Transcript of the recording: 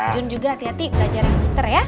jun juga hati hati belajar yang pinter ya